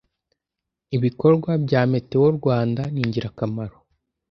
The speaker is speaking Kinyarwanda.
ibikorwa bya metewo rwanda ningirakamaro.